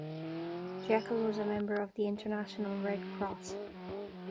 Jeckle was a member of the International Red Cross.